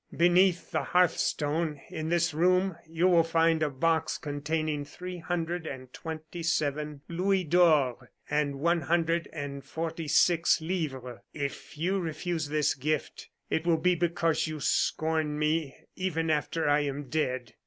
Beneath the hearth stone in this room you will find a box containing three hundred and twenty seven louis d'or and one hundred and forty six livres. "If you refuse this gift, it will be because you scorn me even after I am dead.